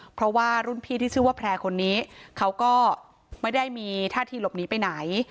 เพราะว่ารุ่นพี่ที่ชื่อว่าแพร่คนนี้เขาก็ไม่ได้มีท่าทีหลบหนีไปไหน